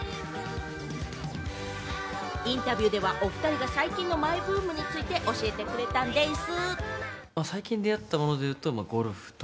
インタビューではお２人が最近のマイブームにについて教えてくれたんでぃす！